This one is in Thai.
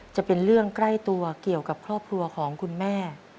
จะเป็นเรื่องใกล้ตัวเกี่ยวกับครอบครัวของคุณแม่